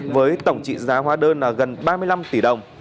với tổng trị giá hóa đơn là gần ba mươi năm tỷ đồng